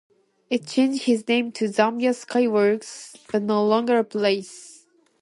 It changed its name to Zambia Skyways, but no longer operates.